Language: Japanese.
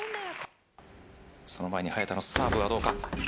その前に早田のサーブはどうか。